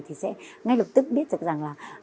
thì sẽ ngay lập tức biết rằng là